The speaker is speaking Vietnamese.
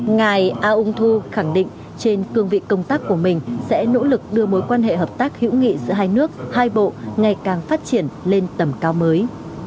ngài aung thu khẳng định trên cương vị công tác của mình sẽ nỗ lực đưa mối quan hệ hợp tác hữu nghị giữa hai nước hai bộ ngày càng phát triển lên tầm cao mới